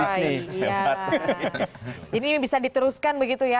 jadi ini bisa diteruskan begitu ya